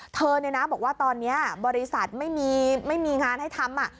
เธอเนี่ยนะบอกว่าตอนนี้บริษัทไม่มีงานให้ทำ